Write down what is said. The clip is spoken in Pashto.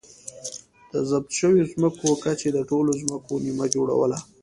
د ضبط شویو ځمکو کچې د ټولو ځمکو نییمه جوړوله